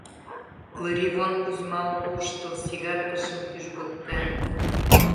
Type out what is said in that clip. — Лыривон Кузьма ок воштыл, сигаркыжым пӱжгыкта.